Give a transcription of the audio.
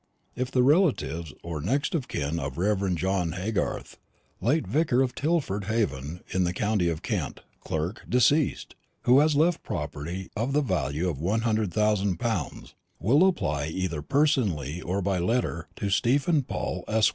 If the relatives or next of kin of the Rev. John Haygarth, late vicar of Tilford Haven, in the county of Kent, clerk, deceased, who has left property of the value of one hundred thousand pounds, will apply, either personally or by letter, to Stephen Paul, Esq.